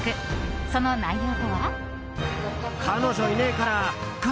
その内容とは。